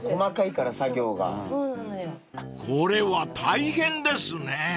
［これは大変ですね］